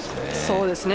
そうですね